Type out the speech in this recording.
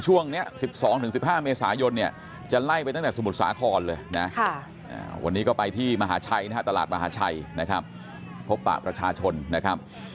วันนี้ก็ไปที่ตลาดมหาชัยนะครับพบปากประชาชนนะครับ